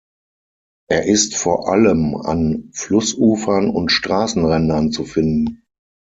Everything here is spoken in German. Er ist vor allem an Flussufern und Straßenrändern zu finden.